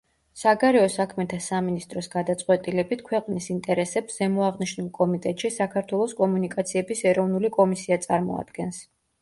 საგარეო საქმეთა სამინისტროს გადაწყვეტილებით, ქვეყნის ინტერესებს ზემოაღნიშნულ კომიტეტში საქართველოს კომუნიკაციების ეროვნული კომისია წარმოადგენს.